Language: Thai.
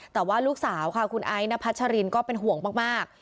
แต่ว่าลูกสาวค่ะคุณไอ้นพัชรินก็เป็นห่วงมาก